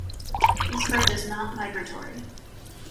This bird is not migratory.